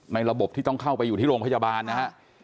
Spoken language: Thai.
ระบบที่ต้องเข้าไปอยู่ที่โรงพยาบาลนะฮะ